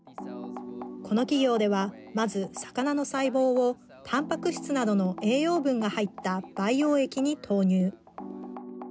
この企業ではまず魚の細胞をタンパク質などの栄養分が入った培養液に投入。